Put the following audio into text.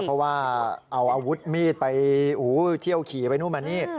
เพราะว่าเอาอาวุธมีดไปเที่ยวขี่ไปนู่นมานี่